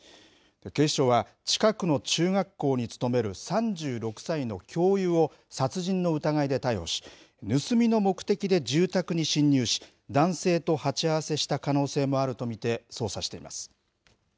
警視庁は、近くの中学校に勤める３６歳の教諭を殺人の疑いで逮捕し、盗みの目的で住宅に侵入し、男性と鉢合わせした可能性もあると見て、捜査しています。